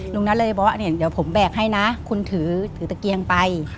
นัทเลยบอกว่าเดี๋ยวผมแบกให้นะคุณถือตะเกียงไป